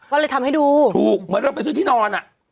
ก็เลยทำให้ดูถูกเหมือนเราไปซื้อที่นอนอ่ะ